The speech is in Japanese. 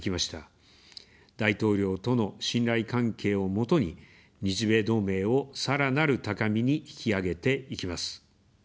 大統領との信頼関係を基に、日米同盟をさらなる高みに引き上げていきます。